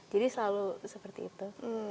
jadi selalu seperti itu